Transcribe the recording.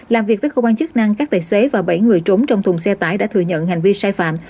làm việc với cơ quan chức năng các tài xế và bảy người trốn trong thùng xe tải đã thừa nhận hành vi sai phạm